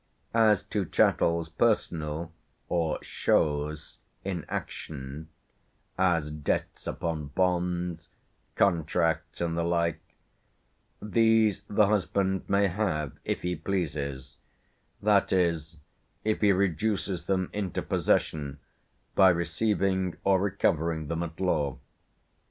As to chattels personal (or choses) in action, as debts upon bonds, contracts, and the like, these the husband may have if he pleases; that is, if he reduces them into possession by receiving or recovering them at law.